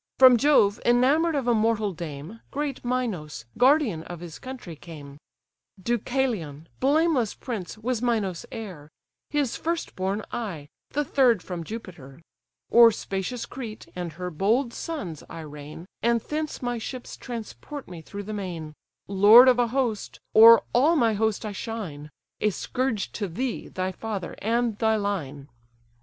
From Jove, enamour'd of a mortal dame, Great Minos, guardian of his country, came: Deucalion, blameless prince, was Minos' heir; His first born I, the third from Jupiter: O'er spacious Crete, and her bold sons, I reign, And thence my ships transport me through the main: Lord of a host, o'er all my host I shine, A scourge to thee, thy father, and thy line."